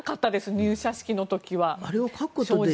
入社式の時は、正直。